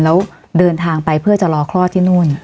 แล้วเดินทางไปเพื่อจะรอคลอดที่นู่น